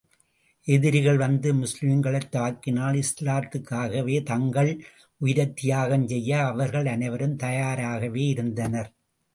எதிரிகள் வந்து முஸ்லிம்களைத் தாக்கினால், இஸ்லாத்துக்காகத் தங்கள் உயிரைத் தியாகம் செய்ய அவர்கள் அனைவரும் தயாராகவே இருந்தனர்.